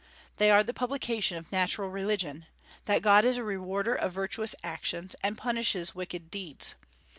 They are the publication of natural religion, that God is a rewarder of virtuous actions, and punishes wicked deeds.